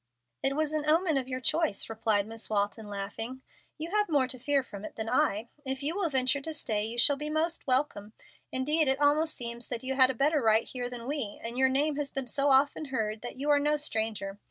"It was an omen of your choice," replied Miss Walton, laughing. "You have more to fear from it than I. If you will venture to stay you shall be most welcome. Indeed, it almost seems that you have a better right here than we, and your name has been so often heard that you are no stranger.